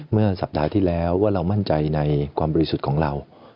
เมื่อสัปดาห์ที่แล้วว่าเรามั่นใจในความบริสุทธิ์ของเรา